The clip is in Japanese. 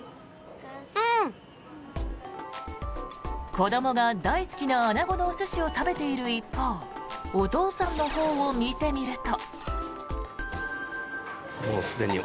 子どもが大好きなアナゴのお寿司を食べている一方お父さんのほうを見てみると。